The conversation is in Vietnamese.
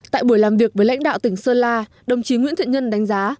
tại buổi làm việc với lãnh đạo tỉnh sơn la đồng chí nguyễn thiện nhân đánh giá